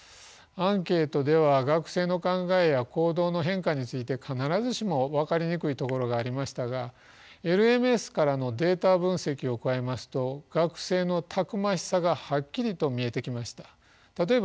アンケートでは学生の考えや行動の変化について必ずしも分かりにくいところがありましたがＬＭＳからのデータ分析を加えますと学生のたくましさがはっきりと見えてきました。